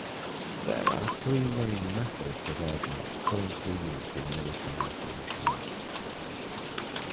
There are three main methods of airdrop currently used in military operations.